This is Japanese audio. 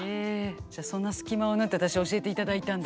じゃあそんな隙間を縫って私教えていただいたんだ？